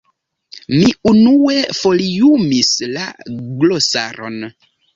Mi unue foliumis la glosaron.